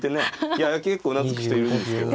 いや結構うなずく人いるんですけど。